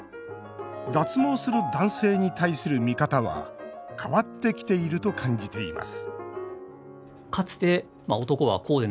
脱毛する男性に対する見方は変わってきていると感じています